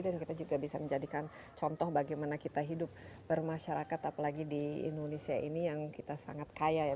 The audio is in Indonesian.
dan kita juga bisa menjadikan contoh bagaimana kita hidup bermasyarakat apalagi di indonesia ini yang kita sangat kaya ya